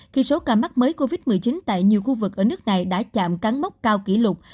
khi số ca mắc mới covid một mươi chín tại nhiều khu vực ở nước này đã chạm cán mốc cao kỷ lục